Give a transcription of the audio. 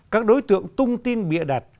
các đối tượng tung tin bịa đặt